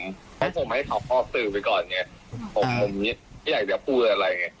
เพราะผมให้เขาออกสื่อไปก่อนเนี่ยผมไม่อยากจะพูดอะไรไง